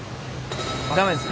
ダメです。